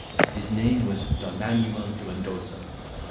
His name was Don Manuel de Mendoza.